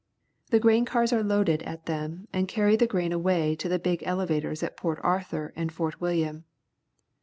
The grain cars are loaded at them and carry the grain away to the big elevators at Port Arthur and Fort WiUiam.